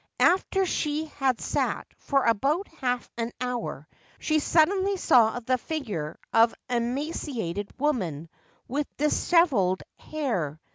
After she had sat for about half an hour she suddenly saw the figure of an emaciated woman with dishevelled hair.